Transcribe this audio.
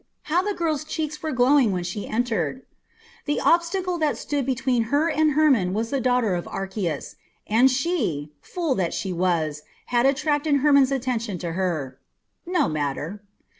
How the girl's cheeks were glowing when she entered! The obstacle that stood between her and Hermon was the daughter of Archias, and she, fool that she was, had attracted Hermon's attention to her. No matter!